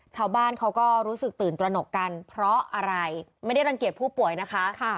ชาวบ้านเขาก็รู้สึกตื่นตระหนกกันเพราะอะไรไม่ได้รังเกียจผู้ป่วยนะคะ